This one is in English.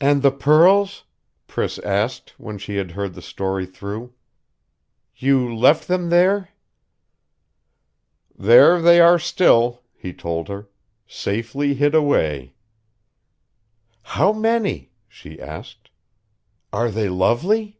"And the pearls?" Priss asked, when she had heard the story through. "You left them there?" "There they are still," he told her. "Safely hid away." "How many?" she asked. "Are they lovely?"